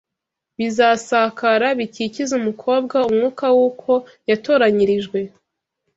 bizasakara bikikize umukobwa umwuka w’uko yatoranyirijwe